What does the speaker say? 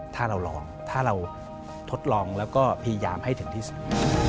ถ้าเราลองถ้าเราทดลองแล้วก็พยายามให้ถึงที่สุด